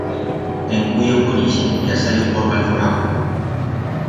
Tien cudiau con ixe, que ha saliu por mal forau.